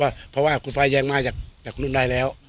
ว่าเพราะว่าคุณฟ้าแย่งมาจากจากคุณนุ่นได้แล้ว